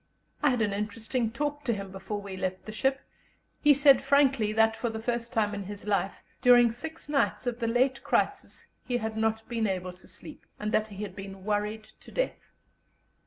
I had an interesting talk to him before we left the ship; he said frankly that, for the first time in his life, during six nights of the late crisis he had not been able to sleep, and that he had been worried to death.